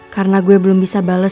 karena gue belum bisa bales